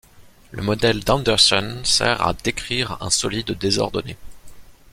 Le modèle d'Anderson sert à décrire un solide désordonné.